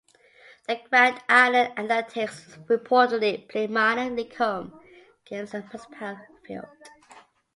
The Grand Island Athletics reportedly played minor league home games at Municipal Field.